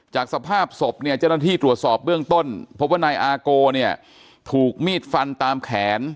สภาพศพเนี่ยเจ้าหน้าที่ตรวจสอบเบื้องต้นพบว่านายอาโกเนี่ยถูกมีดฟันตามแขน